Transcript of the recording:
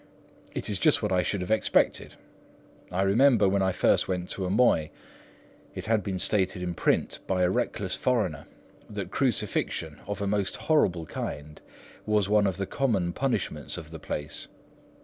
It is just what I should have expected. I remember, when I first went to Amoy, it had been stated in print by a reckless foreigner that crucifixion of a most horrible kind was one of the common punishments of the place.